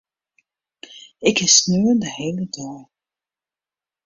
Ik kin sneon de hiele dei.